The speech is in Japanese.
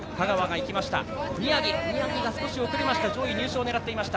宮城が少し遅れました。